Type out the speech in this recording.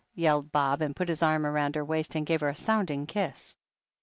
yelled Bob, and put his arm round her waist and gave her a sounding kiss.